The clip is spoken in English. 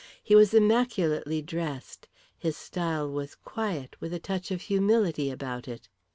He was immaculately dressed; his style was quiet, with a touch of humility about it.